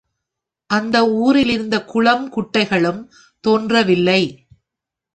அந்த ஊரிலிருந்த குளம் குட்டைகளும் தோன்றவில்லை.